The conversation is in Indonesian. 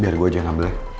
biar gue aja yang ambilnya